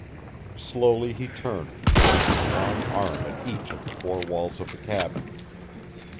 Slowly he turned, pointing a long arm at each of the four walls of the cabin.